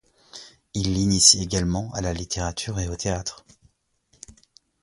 Ils l'initient également à la littérature et au théâtre.